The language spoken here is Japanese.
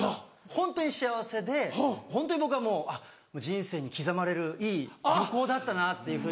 ホントに幸せでホントに僕はもう「あっ人生に刻まれるいい旅行だったな」というふうに。